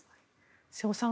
瀬尾さん